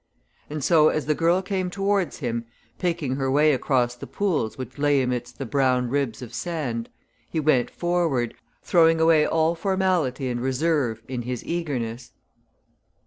And so as the girl came towards him, picking her way across the pools which lay amidst the brown ribs of sand, he went forward, throwing away all formality and reserve in his eagerness.